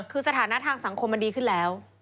คือสถานะทางสังคมมันดีขึ้นแล้ว